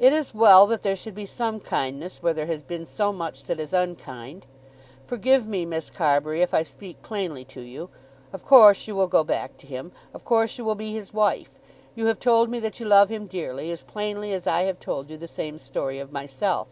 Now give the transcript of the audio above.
"It is well that there should be some kindness where there has been so much that is unkind. Forgive me, Miss Carbury, if I speak plainly to you. Of course you will go back to him. Of course you will be his wife. You have told me that you love him dearly, as plainly as I have told you the same story of myself.